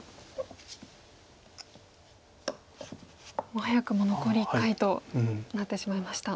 もう早くも残り１回となってしまいました。